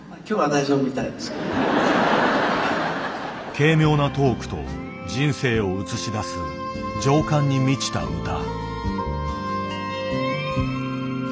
軽妙なトークと人生をうつし出す情感に満ちた歌。